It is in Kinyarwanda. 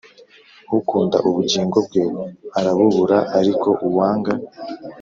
Ukunda ubugingo bwe arabubura ariko uwanga